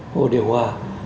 hồ điều hòa